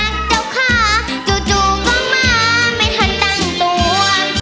จู่ก็มาไม่ทันตั้งตัว